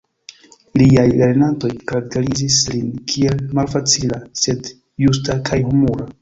Liaj lernantoj karakterizis lin kiel "malfacila, sed justa kaj humura.